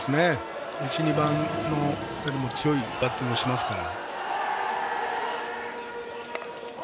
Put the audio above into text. １、２番の２人も強いバッティングをしますから。